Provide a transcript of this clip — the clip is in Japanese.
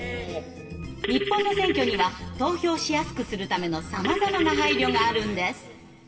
日本の選挙には投票しやすくするためのさまざまな配慮があるんです！